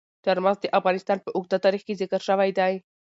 چار مغز د افغانستان په اوږده تاریخ کې ذکر شوی دی.